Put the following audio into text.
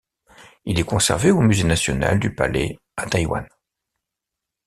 Il est conservé au Musée national du Palais à Taïwan.